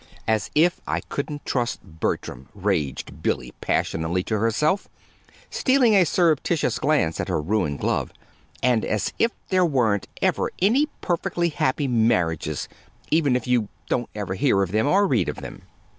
"As if I couldn't trust Bertram!" raged Billy passionately to herself, stealing a surreptitious glance at her ruined glove. "And as if there weren't ever any perfectly happy marriages even if you don't ever hear of them, or read of them!"